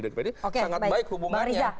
sangat baik hubungannya